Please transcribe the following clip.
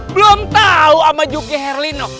belum tau ama yuki herlino